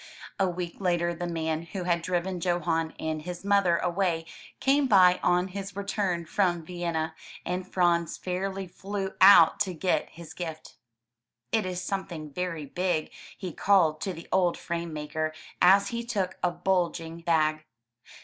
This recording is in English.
A week later the man who had driven Johan and his mother away came by on his return from Vienna, and Franz fairly flew out to get his gift. *Tt is something very big," he called to the old frame maker as he took a bulging bag.